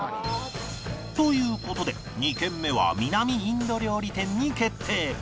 という事で２軒目は南インド料理店に決定